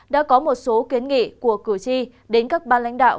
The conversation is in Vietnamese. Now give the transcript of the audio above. đã có một số kiến nghị của cử tri đến các ban lãnh đạo